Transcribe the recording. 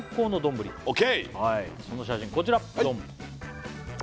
その写真こちらドン！